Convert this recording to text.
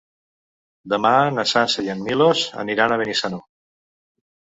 Demà na Sança i en Milos aniran a Benissanó.